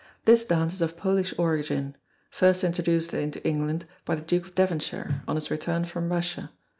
This dance is of Polish origin first introduced into England by the Duke of Devonshire, on his return from Russia.